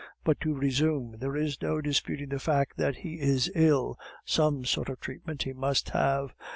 But to resume. There is no disputing the fact that he is ill; some sort of treatment he must have.